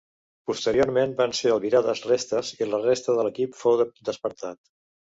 Posteriorment van ser albirades restes i la resta de l'equip fou despertat.